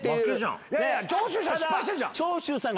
長州さん